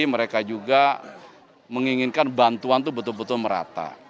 mereka juga menginginkan bantuan itu betul betul merata